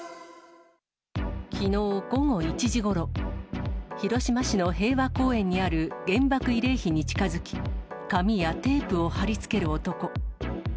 きのう午後１時ごろ、広島市の平和公園にある原爆慰霊碑に近づき、紙やテープを貼り付ける男。